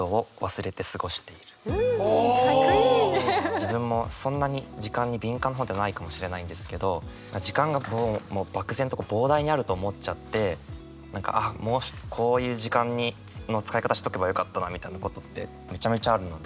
自分もそんなに時間に敏感な方ではないかもしれないんですけど時間がもう漠然と膨大にあると思っちゃって何かああこういう時間の使い方しとけばよかったなみたいなことってめちゃめちゃあるので。